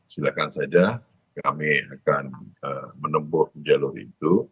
silakan saja kami akan menempuh jalur itu